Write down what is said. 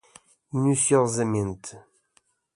minuciosamente